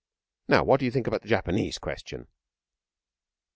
Now, what do you think about the Japanese question?'